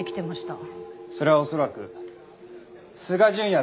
それは恐らく須賀純也